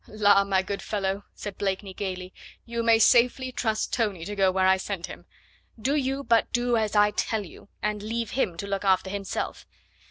"La, my good fellow," said Blakeney gaily, "you may safely trust Tony to go where I send him. Do you but do as I tell you, and leave him to look after himself.